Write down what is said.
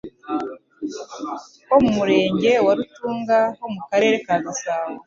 ho mu Murenge wa Rutunga wo mu Karere ka Gasabo